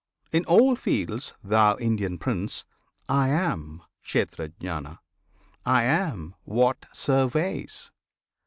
In all "fields," thou Indian prince! I am Kshetrajna. I am what surveys!